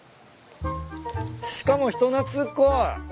しかも人懐っこい。